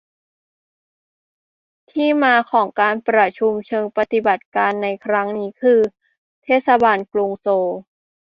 ที่มาของการประชุมเชิงปฏิบัติการในครั้งนี้คือ เทศบาลกรุงโซล